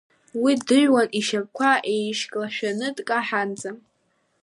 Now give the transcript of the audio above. Уи дыҩуан ишьапқәа еишьклашәаны дкаҳаанӡа.